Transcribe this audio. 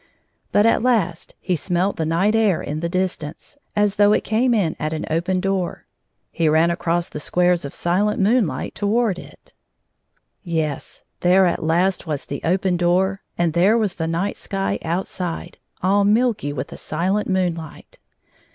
But at last he smelt the night air in the distance, as though it came in at an open door. He ran across the squares of silent moonlight toward it 146 Yes ; there at last was the open door, and there was the night sky outside, all milky with the silent moonlight.